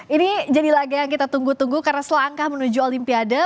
ini jadi laga yang kita tunggu tunggu karena selangkah menuju olimpiade